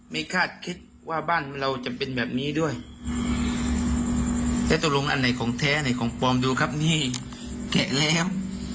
คาดคิดว่าบ้านเราจะเป็นแบบนี้ด้วยแล้วตกลงอันไหนของแท้ไหนของปลอมดูครับนี่แทะแล้ว